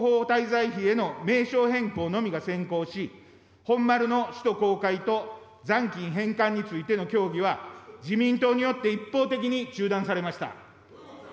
しかしながら日割り支給の実現と調査研究広報滞在費への名称変更のみが先行し、本丸の使途公開と残金返還についての協議は自民党によって一方的に中断されました。